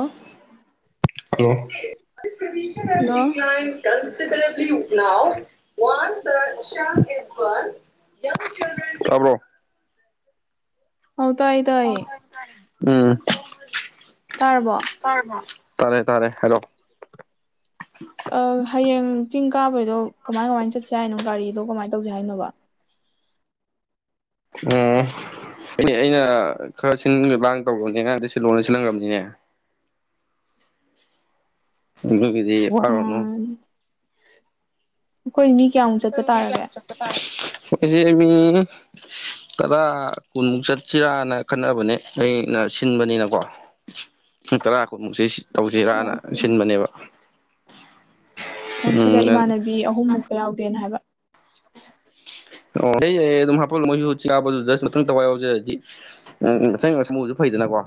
ꯑ [inaudible] ꯑꯦ ꯍꯜꯂꯣ [inaudible] ꯇꯥꯕ꯭ꯔꯣ ꯑꯧ ꯇꯥꯏꯌꯦ ꯇꯥꯏꯌꯦ ꯎꯝ ꯇꯥꯔꯕꯣ ꯇꯔꯕꯣ ꯇꯥꯔꯦ ꯇꯥꯔꯦ ꯍꯥꯏꯔꯛꯑꯣ ꯑꯥ ꯍꯌꯦꯡ ꯆꯤꯡ ꯀꯥꯕꯩꯗꯣ ꯀꯃꯥꯏ ꯀꯃꯥꯏꯅ ꯆꯠꯁꯤ ꯍꯥꯏꯅꯣ ꯒꯥꯔꯤꯗꯣ ꯑꯗꯣ ꯀꯃꯥꯏꯅ ꯇꯧꯁꯦ ꯍꯥꯏꯅꯣꯕ ꯎꯝ ꯑꯩꯗꯤ ꯑꯩꯅ ꯈꯔ ꯁꯤꯟ ꯂꯥꯡ ꯇꯧꯕꯅꯤꯅ ꯑꯗꯨꯒꯤ ꯁꯤꯂꯣꯅ ꯁꯤꯜꯍꯜꯈ꯭ꯔꯕꯅꯤꯅꯦ ꯑꯗꯨꯒꯤꯗꯤ ꯋꯥꯔꯣꯅꯨ ꯎꯝ ꯑꯩꯈꯣꯏ ꯃꯤ ꯀꯌꯥꯃꯨꯛ ꯆꯠꯄ ꯇꯥꯔꯒꯦ ꯑꯩꯈꯣꯏꯁꯦ ꯃꯤ ꯇꯗꯥ ꯀꯨꯟꯃꯨꯛ ꯆꯠꯁꯤꯔꯥꯅ ꯈꯟꯅꯕꯅꯦ ꯑꯩꯅ ꯁꯤꯟꯕꯅꯤꯅꯀꯣ ꯄꯨꯡ ꯇꯔꯥ ꯀꯨꯟꯃꯨꯛꯁꯦ ꯇꯧꯁꯤꯔꯥꯅ ꯁꯤꯟꯕꯅꯦꯕ ꯎꯝ ꯄꯨꯟꯁꯤꯗ ꯅꯪ ꯏꯃꯥꯟꯅꯕꯤ ꯑꯍꯨꯝꯃꯨꯛꯀ ꯌꯥꯎꯒꯦ ꯍꯥꯏꯕ ꯑꯣ ꯑꯩ ꯑꯗꯨꯝ ꯍꯥꯄꯜꯂꯣ ꯃꯣꯏꯁꯨ ꯆꯤꯡ ꯀꯥꯕꯗꯨꯗ ꯃꯊꯟ ꯊꯋꯥꯏ ꯌꯥꯎꯖꯔꯗꯤ ꯍꯥꯏꯗꯤ ꯎꯝ ꯎꯝ ꯑꯆꯡꯕ ꯁꯃꯨꯗꯨꯁꯨ ꯐꯩꯗꯅꯀꯣ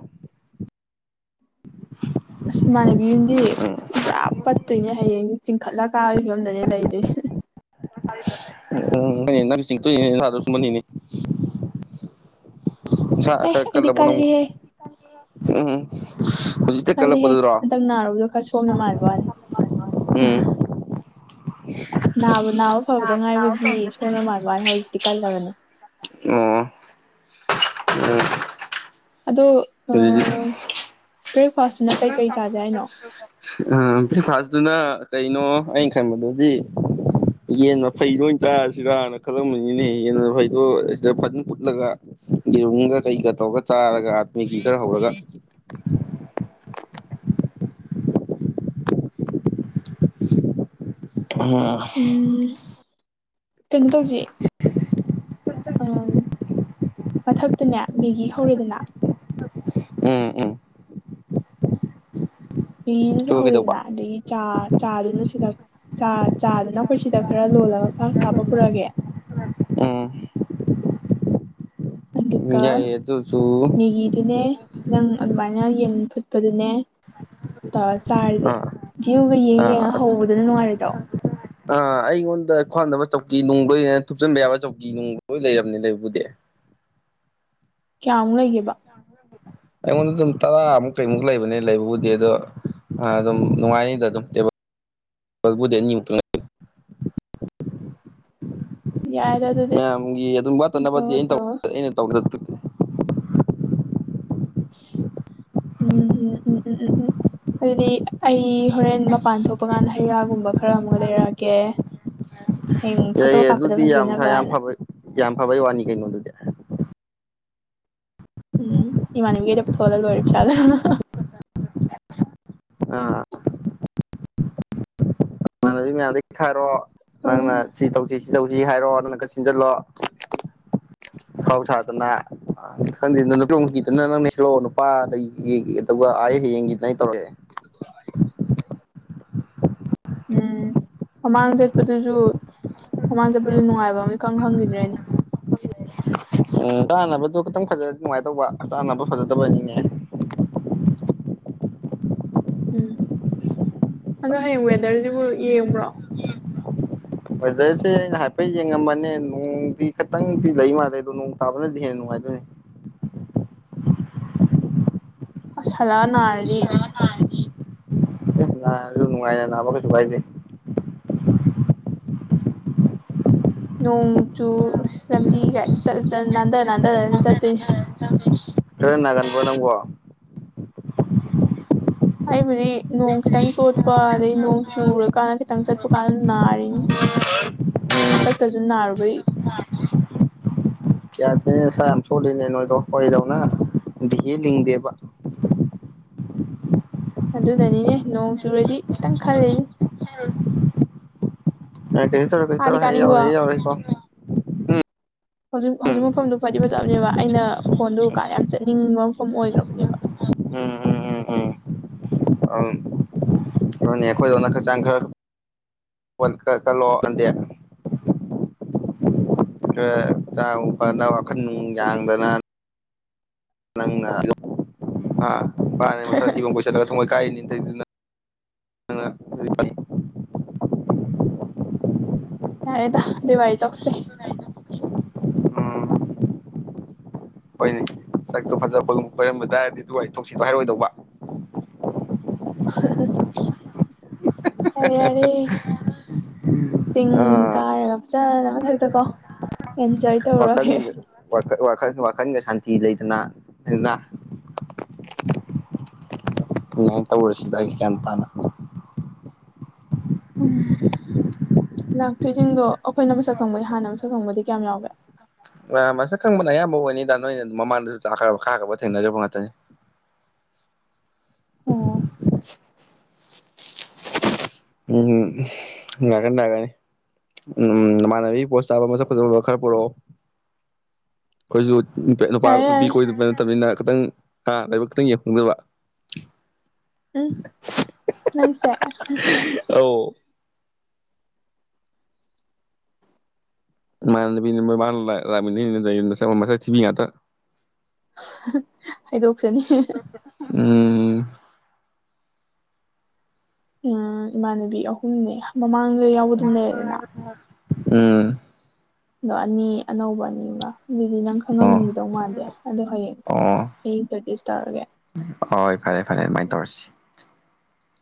ꯑꯁ ꯏꯃꯥꯟꯅꯕꯤ ꯍꯌꯦꯡꯗꯤ ꯎꯝ ꯄꯨꯔꯥ ꯄꯠꯇꯣꯏꯅꯦ ꯍꯌꯦꯡꯁꯦ ꯆꯤꯡꯈꯠꯂ ꯀꯥꯕꯒꯤ ꯐꯤꯕꯝꯗꯅꯦ ꯂꯩꯗꯣꯏꯁꯦ [inaudible] ꯅꯁꯥꯒ ꯑꯦ ꯈꯔ ꯑꯩꯗꯤ ꯀꯜꯂꯕꯣ ꯅꯪꯕꯨ ꯀꯜꯂꯦ ꯀꯜꯂꯤꯍꯦ ꯀꯜꯂꯦ ꯎꯝ ꯎꯝ ꯍꯧꯖꯤꯛꯇ ꯀꯜꯂꯤꯍꯦ ꯀꯠꯂꯛꯄꯗꯨꯔꯣ ꯍꯟꯗꯛ ꯅꯥꯔꯨꯕꯗꯣ ꯈꯔ ꯁꯣꯟꯕ ꯃꯥꯟꯕ ꯋꯥꯅꯤ ꯎꯝ ꯅꯥꯕꯨ ꯅꯥꯎ ꯅꯕꯨ ꯅꯥꯎ ꯑꯣ ꯀꯜꯂꯕꯅꯦ ꯑꯝ ꯑꯗꯣ ꯑꯥ ꯕ꯭ꯔꯦꯛꯐꯥꯁꯁꯤꯅ ꯀꯩꯀꯩ ꯆꯥꯁꯦ ꯍꯥꯏꯅꯣ ꯑꯥ ꯕ꯭ꯔꯦꯛꯐꯥꯁꯇꯨꯅ ꯀꯩꯅꯣ ꯑꯩꯅ ꯈꯪꯕꯗꯗꯤ ꯌꯦꯟ ꯃꯐꯩꯗꯣ ꯑꯣꯏꯟ ꯆꯥꯔꯁꯤꯔꯥꯅ ꯈꯜꯂꯝꯃꯤꯅꯤꯅꯦ ꯌꯦꯟ ꯃꯐꯩꯗꯣ ꯁꯤꯗ ꯐꯖꯟ ꯐꯨꯠꯂꯒ ꯌꯦꯔꯨꯝꯒ ꯀꯩꯀ ꯇꯧꯔꯒ ꯆꯥꯔꯒ ꯃꯦꯒꯤ ꯈꯔ ꯍꯧꯔꯒ ꯍꯝ ꯎꯝ ꯀꯩꯅꯣ ꯇꯣꯖꯦ ꯑꯝ ꯃꯊꯛꯇꯅꯦ ꯃꯦꯒꯤ ꯍꯧꯔꯦꯗꯅ ꯎꯝ ꯎꯝ ꯃꯦꯒꯤꯒꯁꯦ ꯑꯗꯨꯒ ꯀꯩꯗꯧꯕ ꯍꯧꯔꯦꯗꯅꯥ ꯑꯗꯒꯤ ꯆꯥ ꯆꯥꯗꯨꯅ ꯁꯤꯗ ꯥ ꯆꯥ ꯆꯥꯗꯨꯅ ꯑꯈꯣꯏ ꯁꯤꯗ ꯈꯔ ꯂꯣꯜꯂꯒ ꯐ꯭ꯂꯥꯛꯁꯇ ꯍꯥꯞꯄ ꯄꯨꯔꯛꯑꯒꯦ ꯎꯝ ꯑꯗꯨꯒ ꯌꯥꯏꯌꯦ ꯑꯗꯨꯁꯨ ꯃꯦꯒꯤꯗꯨꯅꯦ ꯅꯪ ꯑꯗꯨꯃꯥꯏꯅ ꯌꯦꯟ ꯐꯨꯠꯄꯗꯨꯅꯦ ꯇꯧꯔ ꯆꯥꯔꯖꯦ ꯑꯥ ꯚ꯭ꯌꯨꯒ ꯌꯦꯡꯉ ꯌꯦꯡꯉꯒ ꯍꯧꯕꯗꯨꯅ ꯅꯨꯡꯉꯥꯏꯔꯣꯏꯗ꯭ꯔꯣ ꯑ ꯑꯩꯉꯣꯟꯗ ꯈ꯭ꯋꯥꯡꯅꯕ ꯆꯧꯀꯤ ꯅꯨꯡ ꯂꯣꯏꯅ ꯊꯨꯞꯆꯟꯕ ꯌꯥꯕ ꯆꯧꯀꯤ ꯅꯨꯡ ꯂꯣꯏ ꯂꯩꯔꯕꯅꯤ ꯂꯩꯕꯕꯨꯗꯤ [inaudible] ꯀ꯭ꯌꯥꯃꯨꯛ ꯂꯩꯒꯦ ꯑꯩꯉꯣꯟꯗ ꯑꯗꯨꯝ ꯇꯔꯥꯃꯨꯛ ꯀꯩꯃꯨꯛ ꯂꯩꯕꯅꯦ ꯂꯩꯕꯕꯨꯗꯤ ꯑꯗꯣ ꯑ ꯑꯗꯨꯝ ꯅꯨꯡꯉꯥꯏꯅꯤꯗ ꯑꯗꯨꯝ ꯇꯦꯕꯜ ꯕꯜꯕꯨꯗꯤ ꯑꯅꯤꯃꯨꯛꯇꯪ ꯂꯩ [inaudible] ꯌꯥꯏꯗ ꯑꯗꯨꯗꯤ ꯃꯌꯥꯝꯒꯤ ꯑꯗꯨꯝ ꯋꯥꯠꯇꯅꯕꯗꯤ ꯇꯧꯔꯣ ꯑꯩꯟ ꯇꯧ ꯇꯧꯔꯣ ꯑꯩꯅ [unintelligible] ꯎꯝ ꯎꯝ ꯎꯝ ꯎꯝ ꯎꯝ ꯎꯝ ꯑꯗꯨꯗꯤ ꯑꯩ ꯍꯣꯔꯦꯟ ꯃꯄꯥꯟ ꯊꯣꯛꯄ ꯀꯥꯟꯗ ꯍꯩꯪ ꯔꯥꯒꯨꯝꯕ ꯈꯔ ꯑꯃꯒ ꯂꯩꯔꯛꯑꯒꯦ ꯍꯌꯦꯡ ꯐꯣꯇꯣ ꯌꯥꯏꯌꯦ ꯀꯥꯞꯄꯗ ꯑꯗꯨꯗꯤ ꯌꯥꯝ ꯐ ꯌꯥꯝ ꯐꯖꯅꯕꯅ ꯐꯕ ꯌꯥꯝ ꯐꯕꯩ ꯋꯥꯅꯤ ꯀꯩꯅꯣ ꯑꯗꯨꯗꯤ ꯎꯝ ꯏꯃꯥꯟꯅꯕꯤꯒꯩꯗ ꯄꯨꯊꯣꯛꯍꯜꯂ ꯂꯣꯏꯔꯦ ꯆꯤꯁꯥꯗꯣ ꯑꯥ ꯅꯃꯥꯟꯅꯕꯤ ꯃꯌꯥꯝꯗꯩ ꯈꯥꯏꯔꯣ ꯅꯪꯅ ꯎꯝ ꯁꯤ ꯇꯧꯁꯤ ꯁꯤ ꯇꯧꯁꯤ ꯍꯥꯏꯔꯣ ꯅꯪꯅ ꯈꯔ ꯁꯤꯟꯖꯜꯂꯣ [inaudible] ꯑꯐꯥꯎ ꯁꯥꯗꯅ ꯈꯪꯗꯦ ꯅꯨ ꯅꯨꯄꯤꯔꯣꯝꯒꯤꯗꯅ ꯅꯪꯅ ꯁꯤꯜꯂꯣ ꯅꯨꯄꯥꯗꯒꯤ ꯑꯗꯨꯒ ꯑꯥꯢ ꯑꯩ ꯍꯌꯦꯡꯒꯤꯗꯨꯅ ꯑꯩ ꯇꯧꯔꯒꯦ [unintelligible] ꯎꯝ ꯃꯃꯥꯡ ꯆꯠꯄꯗꯨꯖꯨ ꯃꯃꯥꯡ ꯆꯠꯄꯗꯨ ꯅꯨꯡꯉꯥꯏꯕꯝ ꯑꯝ ꯏꯈꯪ ꯈꯪꯒꯤꯗ꯭ꯔꯦ ꯑꯩꯗꯤ ꯎꯝ ꯆꯥꯅꯕꯗꯨ ꯈꯤꯇꯪ ꯐꯖꯔꯗꯤ ꯅꯨꯡꯉꯥꯏꯇꯧꯕ ꯆꯥꯅꯕ ꯐꯖꯗꯕꯩꯅꯤꯅꯦ ꯎꯝ ꯑꯗꯣ ꯍꯌꯦꯡ ꯋꯦꯗꯔꯖꯤꯕꯨ ꯌꯦꯡꯕ꯭ꯔꯣ ꯋꯦꯗꯔꯁꯦ ꯑꯩꯅ ꯍꯥꯏꯐꯦꯠ ꯌꯦꯡꯉꯝꯕꯅꯦ ꯅꯣꯡꯗꯤ ꯈꯤꯇꯪꯗꯤ ꯂꯩ ꯃꯥꯜꯂꯦ ꯑꯗꯣ ꯅꯣꯡ ꯇꯥꯕꯅꯗꯤ ꯍꯦꯟꯅ ꯅꯨꯡꯉꯥꯏ ꯑꯗꯨꯅꯤ [inaudible] ꯑꯁ ꯍꯜꯂꯛꯑ ꯅꯥꯔꯗꯤ ꯑꯦ ꯅꯥꯔꯖꯨ ꯅꯨꯡꯉꯥꯏꯅ ꯅꯥꯕ ꯀꯩꯁꯨ ꯀꯥꯏꯗꯦ ꯅꯣꯡ ꯆꯨ ꯑꯁ ꯂꯝꯕꯤꯒꯥꯏ ꯆꯠꯂ ꯆꯠꯂ ꯅꯥꯟꯗ ꯅꯥꯟꯗꯔꯒꯅꯦ ꯆꯠꯇꯨꯢꯁ ꯈꯔ ꯅꯥꯒꯟꯕ꯭ꯔꯣ ꯅꯪꯕꯣ ꯑꯩꯕꯨꯗꯤ ꯅꯣꯡ ꯈꯤꯇꯪ ꯆꯣꯠꯄ ꯑꯗꯩ ꯅꯣꯡ ꯆꯨꯔꯀꯥꯟ ꯈꯤꯇꯪ ꯆꯠꯄ ꯀꯥꯟꯗ ꯅꯥꯔꯦ ꯎꯝ ꯍꯟꯗꯛꯇꯖꯨ ꯅꯥꯔꯨꯕꯩ ꯌꯥꯗꯦꯅꯦ ꯅꯥꯁꯥ ꯌꯥꯝ ꯁꯣꯜꯂꯦꯅꯦ ꯅꯣꯏꯕꯣ ꯑꯩꯗꯣꯏꯗꯧꯅ ꯗꯤꯍꯦ ꯂꯤꯡꯗꯦꯕ INAUDIBLE ꯑꯗꯨꯅꯅꯤꯅꯦ ꯅꯣꯡ ꯆꯨꯔꯗꯤ ꯈꯤꯇꯪ ꯈꯜꯂꯤꯅꯦ ꯀꯩꯁꯨ ꯇꯧꯔꯣꯏ- ꯀꯩꯁꯨ ꯇꯧꯔꯣꯏ ꯑꯩ ꯌꯥꯎꯔꯤ-ꯑꯩ ꯌꯥꯎꯔꯤꯀꯣ ꯍꯧꯖꯤꯛ ꯍꯧꯖꯤꯛ ꯎꯝ ꯃꯐꯝꯗꯨ ꯐꯗꯤ-ꯐꯥꯖꯩ ꯖꯕꯅꯦꯕ ꯑꯩꯅ ꯐꯣꯟꯗꯨ ꯎ ꯀꯥꯟ ꯌꯥꯝ ꯆꯠꯅꯤꯡꯕ ꯃꯐꯝ ꯑꯣꯏꯈ꯭ꯔꯕꯅꯦꯕ UNINTELLIGIBLE ꯈꯣꯟ ꯈꯔꯥ ꯀꯟꯂꯣ- ꯀꯟꯗꯦ ꯎꯝ UNINTELLIGIBLE INAUDIBLE ꯅꯨꯄꯥꯅꯦꯅ ꯃꯁꯛꯑꯊꯤꯕꯥ ꯑꯃꯥ ꯀꯣꯏꯁꯟꯂꯥ ꯊꯃꯣꯏꯀꯥꯏꯔꯤꯅꯦꯅ ꯇꯧꯏꯗꯨꯅꯥ UNINTELLIGIBLE ꯌꯥꯔꯦꯗ ꯑꯗꯨꯏ ꯋꯥꯔꯤ ꯇꯣꯛꯁꯤ ꯎꯝ ꯍꯣꯏꯅꯦ ꯁꯛꯇꯣ ꯐꯖꯕ ꯈꯣꯏꯒꯨꯝꯕ ꯀꯣꯏꯔꯝꯕ ꯇꯥꯔꯥꯗꯤ ꯑꯗꯨꯏ ꯋꯥꯔꯤ ꯇꯣꯀꯁꯤ ꯗꯨ ꯍꯥꯏꯔꯛꯑꯣꯏꯗꯧꯕ INAUDIBLE ꯌꯥꯔꯦꯌꯥꯔꯦ ꯆꯤꯡ ꯀꯥꯔꯒ UNINTELLIGIBLE ꯈꯜꯂꯒ- ꯋꯥꯈꯜꯒ ꯁꯥꯟꯇꯤ ꯂꯩꯗꯅꯥ ꯂꯩꯗꯥꯅꯥ ꯑꯗꯨꯃꯥꯏ ꯇꯧꯔꯁꯤꯗ ꯑꯩ ꯒ꯭ꯌꯥꯟ ꯇꯥꯅꯥ INAUDIBLE ꯂꯥꯛꯇꯣꯏꯖꯤꯡꯗꯣ ꯑꯈꯣꯏꯅ ꯃꯁꯛ ꯈꯪꯕꯗꯤ ꯍꯥꯟꯅ ꯃꯁꯛ ꯈꯪꯕꯗꯤ ꯀꯌꯥꯝ ꯌꯥꯎꯒꯦ ꯑꯥ ꯃꯁꯛ ꯈꯪꯕꯅ ꯑꯌꯥꯝꯕ ꯑꯣꯏꯅꯤꯗ ꯅꯣꯏꯅ ꯃꯃꯥꯡꯗꯁꯨ ꯆꯥꯛꯈ꯭ꯔꯕ ꯈꯥꯈ꯭ꯔꯕ ꯊꯦꯡꯅꯒ꯭ꯔꯤꯕ ꯉꯥꯛꯇꯅꯤ ꯑꯣꯑꯣ ꯎꯝ ꯅꯩꯔꯛꯅꯤ- ꯅꯩꯔꯛꯀꯅꯤ ꯎꯝ ꯅꯃꯥꯟꯅꯕꯤ ꯄꯣꯖ ꯇꯥꯕꯥ ꯃꯁꯛ ꯐꯖꯕ ꯈꯔ ꯄꯨꯔꯛꯑꯣ ꯑꯈꯣꯏꯖꯨ ꯅꯨꯄꯥ ꯌꯥꯔꯦ ꯅꯨꯄꯤ ꯌꯥꯔꯦ ꯀꯣꯏꯕ ꯅꯠꯇꯕꯅꯤꯅ ꯈꯤꯇꯪ ꯍꯥ ꯂꯥꯏꯕꯛ ꯈꯛꯇꯪ ꯌꯦꯡꯅꯤꯡꯢꯕ ꯍꯨꯡꯅꯪꯁꯦ INAUDIBLE ꯃꯅꯥꯅꯕꯤꯅꯦ ꯃꯃꯥꯡ ꯂꯛꯃꯤꯟꯅꯩ ꯅꯦꯅ ꯇꯧꯔꯤꯗꯨꯅ ꯃꯁꯛ ꯊꯤꯕꯤ ꯉꯥꯛꯇꯥ ꯍꯥꯌꯗꯣꯛ ꯎꯪꯎꯪ ꯑꯪꯑꯥ ꯏꯃꯥꯟꯅꯕꯤ ꯑꯍꯨꯝꯅꯦ ꯃꯃꯥꯡꯗ ꯌꯥꯎꯕꯗꯨꯝ ꯂꯩꯔꯦꯗꯅ ꯑꯪꯑꯥ ꯑꯗꯣ ꯑꯅꯤ ꯑꯅꯧꯕ ꯑꯅꯤꯃꯒꯥ ꯑꯗꯨꯗꯤ ꯅꯪ ꯑꯣ ꯈꯪꯉꯝꯗꯧ ꯃꯥꯟꯗꯦ ꯑꯗꯣ ꯍꯌꯦꯡ ꯑꯣ ꯍꯌꯦꯡ ꯏꯟꯇ꯭ꯔꯗ꯭ꯌꯨꯁ ꯇꯧꯔꯒꯦ ꯐꯔꯦ-ꯐꯔꯦ ꯑꯗꯨꯃꯥꯏꯅ ꯇꯧꯔꯁꯤ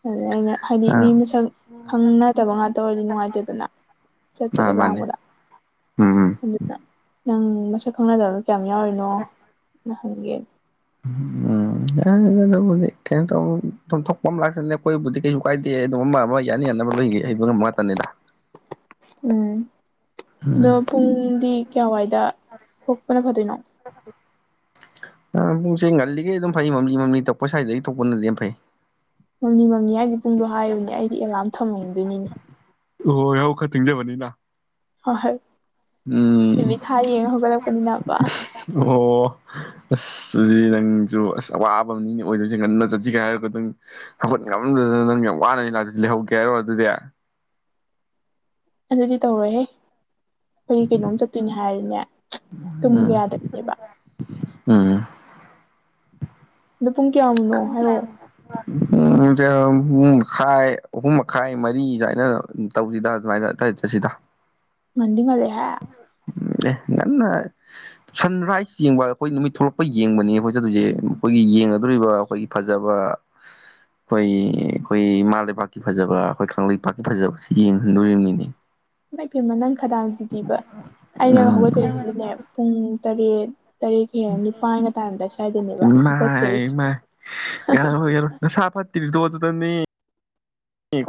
ꯑꯗꯨꯗ ꯑꯩꯅ ꯍꯥꯏꯗꯤ ꯃꯤ ꯑꯥ ꯃꯁꯛ ꯈꯪꯅ ꯗꯕ ꯉꯥꯛꯇ ꯑꯣꯏꯔꯗꯤ ꯅꯨꯡꯉꯥꯏꯇꯦꯗꯅ ꯑꯥ ꯆꯠꯄꯗ- ꯃꯥꯅꯦ ꯂꯥꯡꯕꯗꯥ ꯎꯝ ꯑꯗꯨꯅ ꯅꯪ ꯃꯁꯛ ꯈꯪꯅꯗꯕ ꯀꯌꯥꯝ ꯌꯥꯎꯔꯤꯅꯣ ꯅ ꯍꯪꯒꯦꯕ ꯎꯝ ꯌꯔꯦꯗ ꯑꯦꯗꯨꯕꯨꯗꯤ ꯀꯩꯅꯣ ꯇꯧ ꯊꯣꯛ- ꯊꯣꯛꯄ ꯂꯥꯛꯆꯥꯅꯤꯗ ꯑꯈꯣꯏꯕꯨꯗꯤ ꯀꯩꯝ-ꯀꯥꯏꯗꯦ ꯑꯃꯥ- ꯑꯃ ꯌꯥꯅꯥ- ꯌꯥꯅꯕ ꯂꯣꯏꯒ ꯂꯣꯏꯅꯕ ꯉꯥꯛꯇꯅꯤꯗ INAUDIBLE ꯑꯗꯣ ꯎꯝ ꯄꯨꯡꯗꯤ ꯀꯌꯥꯋꯥꯏꯗꯊꯣꯛꯄꯅ ꯐꯗꯣꯏꯅꯣ ꯑꯥ ꯄꯨꯡꯁꯦ ꯉꯜꯂꯤꯒꯩ ꯑꯗꯨꯝ ꯐꯩ ꯃꯝꯂꯤ- ꯃꯝꯂꯤ ꯇꯧꯔꯛꯄꯥ ꯁ꯭ꯋꯥꯏꯗꯒꯤ ꯊꯣꯛꯄꯅꯗꯤ ꯌꯥꯝꯐꯩ ꯃꯝꯂꯤ- ꯃꯝꯂꯤ ꯍꯥꯏꯖꯦ ꯄꯨꯡꯗꯣ ꯍꯥꯏꯌꯨꯅꯦ ꯑꯩꯗꯤ ꯑꯦꯂꯥꯔꯝ ꯊꯝꯃꯝꯗꯣꯏꯅꯤꯅꯦ UNINTELLIGIBLE ꯍ ꯍꯥꯏ ꯎꯝ ꯍꯧꯒꯠꯂꯛꯄꯅꯤꯅꯕ ꯑꯣ ꯑꯁ ꯑꯗꯨꯗꯤ ꯅꯪꯖꯨ ꯑꯋꯥꯕꯥ ꯑꯃꯅꯤꯅꯦ ꯑꯣꯏꯗꯣꯏꯁꯦ ꯉꯟꯅꯥ ꯆꯠꯁꯤꯒ ꯍꯥꯏꯔꯒ ꯅꯪ ꯍꯧꯒꯠ ꯉꯝꯗꯥꯗꯅ ꯅꯪ ꯌꯥꯝ ꯋꯥꯅꯥꯅꯤ ꯂꯛꯇꯣꯏꯁꯦ ꯂꯩꯍꯧꯒꯦ ꯑꯗꯨꯗꯤ ꯑꯗꯨꯗꯤ ꯇꯧꯔꯣꯏꯍꯦ ꯑꯩꯒꯤ ꯀꯩꯅꯣꯝ ꯆꯠꯇꯣꯏꯅꯦ ꯍꯥꯏꯔꯗꯤꯅꯦ ꯇꯨꯝꯕꯒꯥ ꯎꯝ ꯌꯥꯗꯕꯤꯅꯦꯕꯥ ꯎꯝ ꯑꯗꯨ ꯄꯨꯡ ꯀꯌꯥꯃꯨꯛꯅꯣ ꯄꯨꯡ ꯍꯥꯏꯔꯛꯑꯣ ꯀꯌꯥꯃꯨꯛꯅꯣꯕ [inaudible] ꯄꯨꯡꯖꯦ ꯃꯈꯥꯏ ꯑꯍꯨꯝ ꯃꯈꯥꯏ ꯃꯔꯤ ꯁꯥꯢꯗ ꯇꯧꯁꯤꯗ ꯑꯗꯨꯃꯥꯏꯅ ꯑꯗ꯭ꯋꯥꯢꯗ ꯆꯠꯁꯤꯗ ꯉꯟꯗꯤ ꯉꯜꯂꯦꯍꯦ ꯎꯝ ꯑꯦ ꯉꯟꯅ ꯁꯟ ꯔꯥꯏꯁ ꯌꯦꯡꯕ ꯑꯩꯈꯣꯏ ꯅꯨꯃꯤꯠ ꯊꯣꯛꯂꯛꯄ ꯌꯦꯡꯕꯅꯦ ꯑꯩꯈꯣꯏ ꯆꯠꯗꯨꯁꯦ ꯑꯩꯈꯣꯏꯒꯤ ꯌꯦꯡꯒꯗꯣꯔꯤꯕ ꯑꯩꯈꯣꯏꯒꯤ ꯐꯖꯕ ꯑꯩꯈꯣꯏ ꯑꯩꯈꯣꯏ ꯏꯃꯥ ꯂꯩꯕꯥꯛꯀꯤ ꯐꯖꯕ ꯑꯩꯈꯣꯏ ꯀꯪꯂꯩꯄꯥꯛꯀꯤ ꯐꯖꯕꯁꯤ ꯌꯦꯡꯍꯟꯗꯣꯔꯤꯕꯅꯤꯅꯦ ꯏꯃꯥꯏꯄꯦꯝꯝꯃ ꯅꯪ ꯈꯗꯥꯡꯁꯤꯗꯤꯕ ꯑꯩꯅ ꯎꯝ ꯍꯧꯒꯠꯆꯔꯤꯁꯤꯗꯤꯅꯦ ꯄꯨꯡ ꯇꯔꯦꯠ ꯇꯔꯦꯠ ꯍꯦꯟꯅ ꯅꯤꯄꯥꯟꯒ ꯇꯥꯔꯝꯗꯥꯏ ꯁ꯭ꯋꯥꯏꯗꯅꯦꯕ ꯏꯃꯥꯢ ꯍꯧꯒꯠꯆꯔꯤꯁꯦ ꯏꯃꯥꯢ ꯅꯁꯥ ꯐꯠꯇ꯭ꯔꯤꯗꯣ ꯑꯗꯨꯗꯅꯦ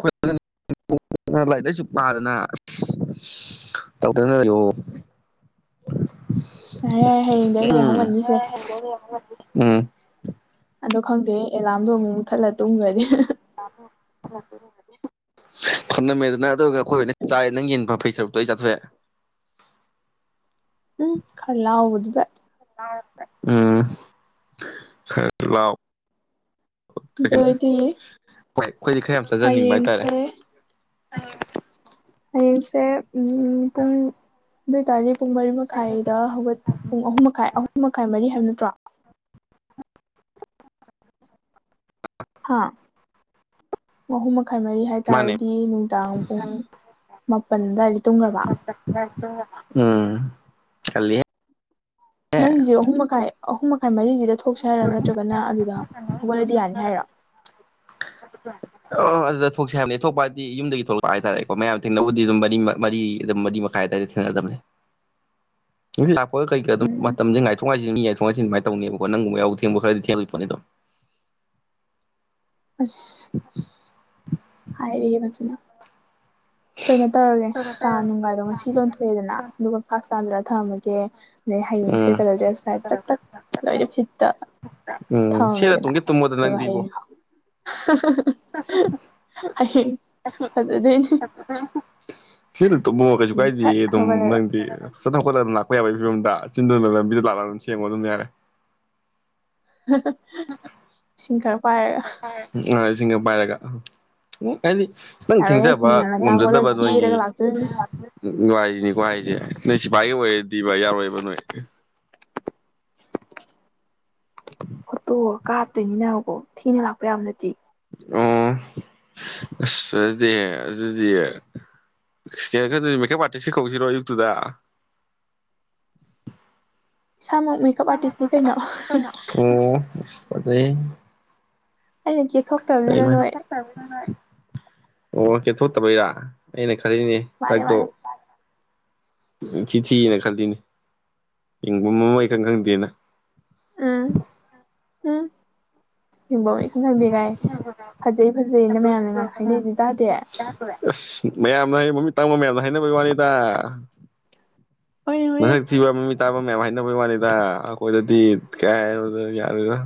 ꯈꯣꯏ [unintelligible] ꯂꯥꯏꯔꯤꯛ ꯂꯥꯏꯁꯨ ꯄꯥꯗꯅ ꯑꯁ ꯇꯧꯗꯅ ꯂꯩꯑꯣ [inaudible] ꯌꯥꯔꯦ ꯌꯥꯔꯦ ꯍꯌꯦꯡꯗꯤ ꯑꯩꯅ ꯌꯥꯍꯧ ꯎꯝ ꯉꯟꯅꯤꯁꯦ ꯎꯝ ꯑꯗꯣ ꯈꯪꯗꯦ ꯑꯦꯂꯥꯔꯝꯗꯣ ꯑꯃꯨꯛ ꯃꯨꯊꯠꯂ ꯇꯨꯝꯒ꯭ꯔꯗꯤ ꯑꯦꯂꯥꯝꯗꯣ ꯑꯃꯨꯛ ꯃꯨꯠꯊꯠꯂ ꯇꯨꯝꯈ꯭ꯔꯗꯤ ꯊꯝꯅꯝꯃꯦꯗꯅ ꯑꯗꯨꯒꯒ ꯑꯩꯈꯣꯏ ꯑꯣꯏꯅ ꯆꯥꯔꯦ ꯅꯪ ꯌꯦꯟ ꯃꯐꯩ ꯁꯔꯨꯛꯇꯣ ꯑꯩ ꯆꯥꯊꯣꯛꯑꯦ ꯎꯝ ꯈꯥ ꯂꯥꯎꯕꯗꯨꯗ ꯎꯝ ꯈꯔ ꯂꯥꯎ ꯑꯗꯨꯑꯣꯏꯗꯤ ꯍꯣꯏ ꯑꯩꯈꯣꯏꯗꯤ ꯈꯔ ꯌꯥꯝ ꯆꯥꯖꯅꯤꯡꯕ ꯍꯥꯏꯇꯥꯔꯦ ꯍꯌꯦꯡꯁꯦ ꯎꯪ ꯑꯩꯌꯦꯡꯁꯦ ꯎꯝ ꯄꯨꯡ ꯑꯗꯨ ꯑꯣꯏꯇꯥꯔꯗꯤ ꯄꯨꯡ ꯃꯔꯤ ꯃꯈꯥꯏꯗ ꯍꯧꯒꯠ ꯄꯨꯡ ꯑꯍꯨꯝ ꯃꯈꯥꯏ ꯑꯍꯨꯝ ꯃꯈꯥꯏ ꯃꯔꯤ ꯍꯥꯏꯕ ꯅꯠꯇ꯭ꯔꯣ ꯍꯥꯥ ꯑꯍꯨꯝ ꯃ ꯈꯥꯏ ꯃꯔꯤ ꯃꯥꯅꯦ ꯍꯥꯏꯇꯥꯔꯗꯤ ꯅꯨꯡꯗꯥꯡ ꯄꯨꯡ ꯃꯥꯄꯜ ꯑꯗꯨꯋꯥꯏꯗꯩ ꯇꯨꯝꯒ꯭ꯔꯕ ꯎꯝ ꯉꯜꯂꯤꯍꯦ ꯅꯪꯒꯤꯁꯦ ꯑꯍꯨꯝꯃꯈꯥꯏ ꯑꯍꯨꯝꯃ ꯈꯥꯏ ꯃꯔꯤꯁꯤꯗ ꯊꯣꯛꯁꯦ ꯍꯥꯏꯔꯣ ꯅꯠꯇ꯭ꯔꯒꯅ ꯑꯗꯨꯗ ꯍꯧꯒꯠꯂꯗꯤ ꯌꯥꯅꯤ ꯍꯥꯏꯔꯣ ꯑꯣ ꯑꯗꯨꯗ ꯊꯣꯛꯁꯦ ꯍꯥꯏꯕꯅꯦ ꯊꯣꯛꯄ ꯍꯥꯏꯗꯤ ꯌꯨꯝꯗꯒꯤ ꯊꯣꯛꯂꯛꯄ ꯍꯥꯏꯇꯥꯔꯦꯀꯣ ꯃꯌꯥꯝ ꯊꯦꯡꯅꯕꯕꯨꯗꯤ ꯑꯗꯨꯝ ꯃꯔꯤ ꯃꯔꯤ ꯃꯔꯤ ꯃꯈꯥꯏ ꯑꯗꯥꯢ ꯊꯦꯡꯅꯗꯕꯅꯦ [inaudible] ꯂꯥꯛꯄ ꯀꯩꯀ ꯑꯗꯨꯝ ꯎꯝ ꯃꯇꯝꯁꯦ ꯉꯥꯏꯊꯣꯛ ꯉꯥꯢꯁꯤꯟ ꯌꯥꯏ ꯊꯣꯡꯉꯥꯢꯁꯤꯟ ꯑꯗꯨꯃꯥꯏꯅ ꯇꯧꯅꯦꯕꯀꯣ ꯅꯪꯒꯨꯝꯕ ꯌꯥꯍꯧ ꯊꯦꯡꯕ ꯈꯔꯗꯤ ꯊꯦꯡꯂꯤ ꯄꯣꯠꯅꯦ ꯗꯨꯝ ꯑꯁ [inaudible] ꯍꯥꯏꯔꯤꯕꯁꯤꯅ ꯀꯩꯅꯣ ꯇꯧꯔꯒꯦ ꯆꯥ ꯅꯨꯡꯒꯥꯏꯗꯣ ꯉꯁꯤ ꯂꯣꯟꯊꯣꯛꯑꯦꯗꯅ ꯑꯗꯨꯒ ꯐ꯭ꯂꯥꯛꯁꯇ ꯍꯥꯟꯖꯤꯜꯂꯒ ꯊꯝꯃꯝꯃꯒꯦ ꯍꯌꯦꯡꯁꯦ ꯎꯝ ꯀꯂꯔ ꯗ꯭ꯔꯦꯁ ꯀꯥꯏ ꯇꯛ ꯇꯛ ꯂꯣꯏꯅ ꯐꯤꯠꯇ ꯎꯝ ꯁꯦꯠꯂ ꯊꯝꯃꯝꯃꯦꯗꯅ ꯇꯨꯝꯒꯦ ꯇꯨꯝꯃꯣꯗ ꯑꯗꯨꯒ ꯍꯌꯦꯡ ꯍꯦ ꯍꯦ ꯍꯥ ꯍꯥ ꯍꯌꯦꯡ ꯐꯖꯗꯣꯏꯅꯦ ꯊꯦꯡꯅ ꯇꯨꯝꯃꯣ ꯀꯩꯁꯨ ꯁꯠ ꯀꯥꯏꯗꯤꯑꯦ ꯑꯗꯨꯝ ꯍꯧꯒꯠꯂꯒ ꯅꯪꯗꯤ ꯐꯠ ꯍꯧꯒꯠꯂꯒ ꯑꯗꯨꯝ ꯂꯥꯛꯄ ꯌꯥꯕꯒꯤ ꯐꯤꯕꯝꯗ ꯆꯤꯟꯗꯨꯅ ꯂꯝꯕꯤꯗ ꯂꯥꯛꯂꯒ ꯑꯗꯨꯝ ꯁꯦꯡꯉꯣ ꯑꯗꯨꯝ ꯌꯥꯔꯦ ꯍꯥ ꯍꯥ ꯏꯁꯤꯡ ꯈꯔ ꯄꯥꯏꯔꯒ ꯏꯁꯤꯡꯒ ꯄꯥꯏꯔꯒ ꯑꯩꯗꯤ ꯈꯤꯇꯡ ꯌꯥꯔꯣꯏꯍꯦ ꯊꯦꯡꯖꯕ ꯃꯤ ꯉꯟꯇꯥ ꯍꯧꯒꯠꯂꯒ ꯉꯝꯖꯗꯕ ꯅꯣꯏꯒꯤ ꯀꯦꯔꯒ ꯂꯥꯛꯇꯣꯏꯅꯤ ꯂꯥꯢꯒꯤꯅꯤꯀꯣ ꯍꯥꯏꯁꯦ ꯅꯣꯏ ꯁꯤꯐꯥꯏꯒ ꯑꯣꯏꯔꯗꯤꯕ ꯌꯥꯔꯣꯏꯕ ꯅꯣꯏ ꯐꯣꯇꯣ ꯀꯥꯞꯇꯣꯏꯅꯤꯅꯀꯣ ꯊꯤꯅ ꯂꯥꯛꯄ ꯌꯥꯕ ꯅꯠꯇꯦ ꯎꯝ ꯑꯁ ꯑꯗꯨꯗꯤ ꯑꯗꯨꯗꯤ ꯃꯦꯛꯀꯞ ꯑꯥꯔꯇꯤꯁꯀ ꯀꯧꯁꯤꯔꯣ ꯑꯌꯨꯛꯇꯨꯗ [inaudible] ꯏꯁꯥꯃꯛ ꯃꯦꯀꯞ ꯎꯝ ꯑꯥꯔꯇꯤꯁꯅꯤ ꯀꯩꯅꯣ ꯐꯖꯩ ꯑꯩꯅ ꯆꯦꯞ ꯐꯠꯇꯕꯅ ꯅꯣꯢ [inaudible] ꯑꯣ ꯀꯦꯊꯣꯛꯇꯕꯩꯔꯥ ꯑꯩꯅ ꯈꯜꯂꯤꯅꯦ ꯃꯥꯅꯦ ꯁꯛꯇꯣ ꯃꯥꯅꯦ ꯏꯊꯤ ꯊꯤꯅ ꯈꯜꯂꯤꯅꯦ ꯌꯦꯡꯐꯝ ꯑꯃ ꯏꯈꯪ ꯈꯪꯗꯦꯅ ꯎꯝ ꯎꯝ ꯌꯦꯡꯐꯝ ꯑꯃ ꯏꯈꯪ ꯈꯪꯗꯦꯀꯥꯏ ꯐꯖꯩ ꯐꯖꯩꯅ ꯃꯌꯥꯝꯅ ꯍꯥꯏꯅꯔꯤꯁꯤ ꯇꯥꯗꯦ ꯑꯁ ꯃꯌꯥꯝꯅ ꯍꯥꯏ ꯃꯃꯤꯠ ꯇꯥꯡꯕ ꯃꯌꯥꯝꯅ ꯍꯥꯏꯅꯕꯩ ꯋꯥꯅꯤꯗ ꯍꯣꯏꯅꯦ ꯍꯣꯏꯅꯦ ꯃꯁꯛ ꯊꯤꯕ ꯃꯃꯤꯠ ꯇꯥꯡꯕ ꯃꯌꯥꯝ ꯍꯥꯏꯅꯕꯩ ꯋꯥꯅꯤꯗ ꯑꯈꯣꯏꯗꯗꯤ ꯀꯥꯢꯗꯩꯅꯣꯗ ꯌꯗꯦꯗ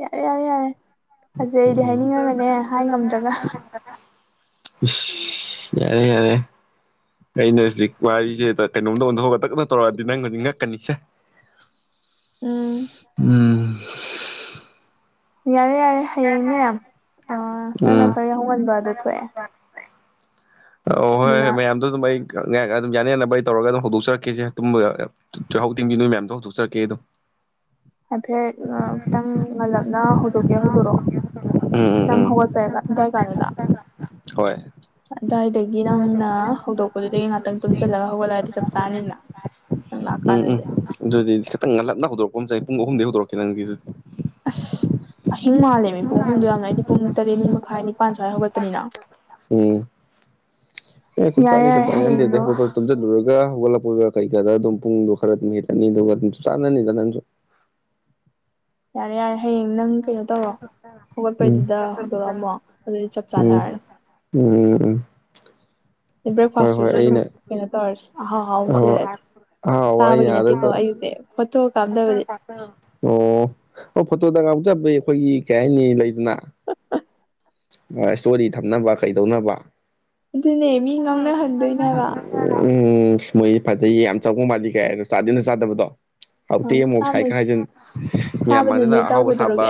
ꯌꯥꯔꯦ ꯌꯥꯔꯦ ꯌꯥꯔꯦ ꯐꯖꯩ ꯑꯩꯗꯤ ꯍꯥꯏꯅꯤꯡꯉꯒ ꯍꯥꯏ ꯉꯝꯗ꯭ꯔꯒ ꯏꯁ ꯌꯥꯔꯦ ꯌꯥꯔꯦ ꯑꯩꯅ ꯍꯧꯖꯤꯛ ꯋꯥꯔꯤꯁꯦ ꯀꯩꯅꯣꯝꯗ ꯑꯣꯟꯊꯣꯛꯑꯒ ꯇꯛꯇꯛ ꯇꯧꯔꯛꯑꯗꯤ ꯅꯪ ꯍꯧꯖꯤꯛ ꯉꯛꯀꯅꯤꯁꯦ ꯎꯝ ꯎꯝ ꯌꯥꯔꯦ ꯌꯥꯔꯦ ꯍꯌꯦꯡꯅꯦ ꯑꯥ ꯅꯪꯅ ꯎꯝ ꯈꯔ ꯌꯥꯍꯧꯉꯟꯕꯗꯣ ꯊꯣꯛꯑꯦ ꯑꯥ ꯍꯣꯏ ꯑꯗꯨꯅ ꯍꯣꯏ ꯃꯌꯥꯝꯗꯣ ꯑꯗꯨꯝ ꯑꯩ ꯉꯥꯏꯍꯥꯛ ꯑꯗꯨꯝ ꯌꯥꯅ ꯌꯥꯅꯕ ꯑꯩ ꯇꯧꯔꯒ ꯑꯗꯨꯝ ꯍꯧꯗꯣꯛꯆꯔꯛꯀꯦꯁꯦ ꯇꯨꯝꯕ ꯌꯥꯍꯧ ꯊꯦꯡꯕꯤ ꯅꯣꯏ ꯃꯌꯥꯝꯗꯣ ꯍꯧꯗꯣꯛꯆꯔꯛꯀꯦ ꯑꯗꯨꯝ ꯍꯥꯏꯐꯦꯠ ꯈꯤꯇꯪ ꯉꯜꯂꯞꯅ ꯍꯧꯗꯣꯛꯀꯦ ꯍꯧꯗꯣꯔꯛꯑꯣ ꯎꯝ ꯎꯝ ꯅꯪ ꯎꯝ ꯍꯧꯒꯠꯄꯩ ꯑꯗꯥꯏ ꯀꯥꯟꯗꯨꯗ ꯍꯣꯏ ꯑꯗꯥꯏꯗꯒꯤ ꯅꯪꯅ ꯍꯧꯗꯣꯛꯄꯗꯨꯗꯒꯤ ꯉꯍꯥꯛꯇꯪ ꯇꯨꯝꯖꯜꯂꯒ ꯍꯧꯒꯠꯂꯛꯑꯗꯤ ꯆꯞ ꯆꯥꯅꯤꯅ ꯅꯪ ꯎꯝ ꯎꯝ ꯂꯥꯛꯀꯥꯟꯗꯗꯤ ꯑꯗꯨꯗꯤ ꯈꯤꯇꯪ ꯉꯜꯂꯞꯅ ꯍꯧꯗꯣꯔꯛꯄ ꯑꯃ ꯆꯪꯉꯦ ꯄꯨꯡ ꯑꯍꯨꯝꯗꯒꯤ ꯍꯧꯗꯣꯔꯛꯀꯦ ꯅꯪꯗꯤ ꯑꯗꯨꯗꯤ ꯑꯁ ꯑꯍꯤꯡ ꯃꯥꯜꯂꯦꯃꯤ ꯄꯨꯡ ꯑꯍꯨꯝꯗꯣ ꯌꯥꯝꯅ ꯑꯩꯗꯤ ꯄꯨꯡ ꯇꯔꯦꯠ ꯃꯈꯥꯏꯅꯤ ꯅꯤꯄꯥꯜ ꯁ꯭ꯋꯥꯏ ꯍꯧꯒꯠꯄꯅꯤꯅ ꯎꯝ ꯑꯦ ꯆꯞ ꯌꯥꯔꯦ ꯆꯥꯅꯤ ꯆꯞ ꯌꯥꯔꯦ ꯆꯥꯅꯤ ꯅꯪꯗꯤ ꯍꯌꯦꯡꯗꯣ ꯗꯨꯝ ꯍꯧꯒꯠ ꯇꯨꯝꯖꯟꯂꯨꯔꯒ ꯍꯧꯒꯠꯂꯛ ꯄꯨꯜꯒ ꯀꯩꯀꯗ ꯑꯗꯨꯝ ꯄꯨꯡꯗꯣ ꯈꯔ ꯃꯤꯅꯤꯠ ꯑꯅꯤꯗꯨꯒ ꯆꯥꯟꯅꯅꯤꯗ ꯅꯪꯁꯨ ꯌꯥꯔꯦ ꯌꯥꯔꯦ ꯍꯌꯦꯡ ꯅꯪ ꯀꯩꯅꯣ ꯇꯧꯔꯣ ꯎꯝ ꯍꯧꯒꯠꯄꯩꯗꯨꯗ ꯍꯧꯗꯣꯔꯛꯑꯝꯃꯣ ꯑꯗꯨꯗꯤ ꯆꯞ ꯎꯝ ꯆꯥꯟꯅꯔꯅꯤ ꯎꯝ ꯍꯣꯏ ꯍꯣꯏ ꯕ꯭ꯔꯦꯛꯐꯥꯁꯇꯨꯖꯨ ꯑꯗꯨꯝ ꯑꯩꯅ ꯀꯩꯅꯣ ꯇꯧꯔꯁꯦ ꯑꯍꯥꯎ ꯑꯍꯥꯎꯁ [unintelligible] ꯑꯣ ꯑꯩꯒꯤꯁꯦ ꯐꯣꯇꯣ ꯀꯥꯞꯅꯕꯅꯦ ꯐꯣꯇꯣꯗ ꯉꯥꯎꯖꯕꯤ ꯑꯩꯈꯣꯏꯒꯤ ꯀꯩ ꯍꯥꯏꯅꯤ ꯂꯩꯗꯅ ꯑꯥ ꯁ꯭ꯇꯣꯔꯤ ꯊꯝꯅꯕ ꯀꯩꯗꯧꯅꯕ ꯑꯗꯨꯅꯦ ꯃꯤ ꯉꯥꯡꯅꯍꯟꯗꯣꯏꯅꯦ ꯍꯥꯏꯕ [inaudible] ꯎꯝ ꯃꯣꯏꯗꯤ ꯐꯖꯩ ꯌꯥꯝ ꯆꯥꯎꯕ ꯃꯥꯜꯂꯤ ꯀꯥꯏꯅ ꯆꯥꯗꯤ ꯑꯝꯗ ꯆꯥꯗꯕꯗꯣ ꯑ ꯍꯥꯎꯇꯦ ꯃꯣꯛ ꯁꯥꯏ ꯆꯥꯕ ꯈꯔ ꯍꯥꯏꯖꯤꯟ ꯃꯌꯥꯝ ꯆꯥꯕꯅ ꯃꯥꯡꯗꯅ ꯅꯣꯏ ꯆꯥꯎ ꯑꯍꯥꯎꯕ ꯁꯥꯕ ꯀꯩꯗꯧꯔꯒꯦ